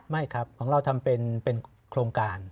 ไม่ครับของเราทำเป็นโครงการ